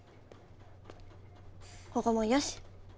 ここもよし。